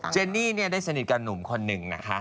เจนนี่ได้สนิทกับหนุ่มคนหนึ่งนะคะ